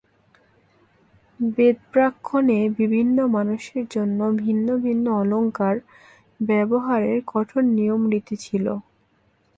বেদব্রাহ্মণে বিভিন্ন মানুষের জন্য ভিন্ন ভিন্ন অলঙ্কার ব্যবহারের কঠোর নিয়মরীতি ছিল।